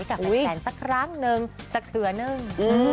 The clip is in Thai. ที่กับแผ่นสักครั้งหนึ่งสักเหลือหนึ่ง